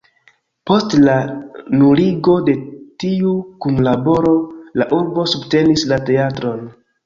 Post la nuligo de tiu kunlaboro la urbo subtenis la teatron.